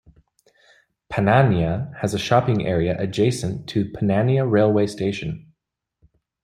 Panania has a shopping area adjacent to Panania railway station.